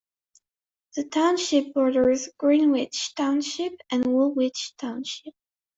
The township borders Greenwich Township and Woolwich Township.